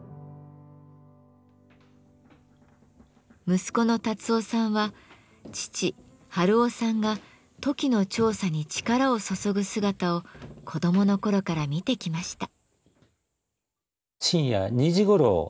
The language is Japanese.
息子の辰夫さんは父・春雄さんがトキの調査に力を注ぐ姿を子供の頃から見てきました。